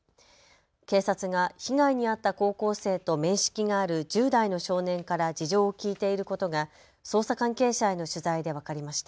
警察が被害に遭った高校生と面識がある１０代の少年から事情を聴いていることが捜査関係者への取材で分かりました。